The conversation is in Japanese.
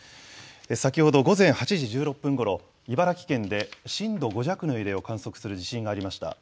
先ほど午前８時１６分ごろ茨城県で震度５弱の揺れを観測する地震がありました。